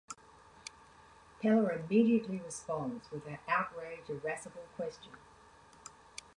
Peller immediately responds with her outraged, irascible question.